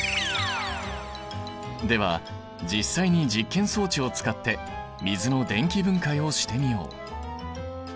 では実際に実験装置を使って水の電気分解をしてみよう。